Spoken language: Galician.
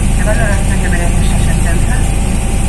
Que valoración lle merece esa sentenza?